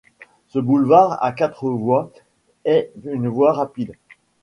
Ce boulevard à quatre voies est une voie rapide.